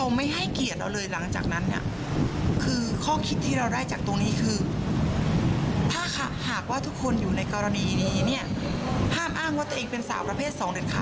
และที่ไปแจ้งความเอาไว้ก็เพราะไม่ต้องการให้ตันลุงคนนี้ไปทำแบบนี้กับผู้โดยสารคนอื่นอีก